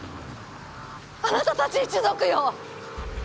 あなたたち一族よ！